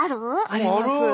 あります。